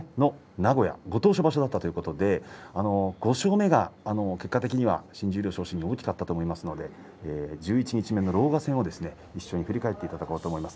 名古屋、ご当所場所だったということで５勝目が結果的に新十両昇進大きくかったと思いますので十一日目の狼雅戦を振り返っていきます。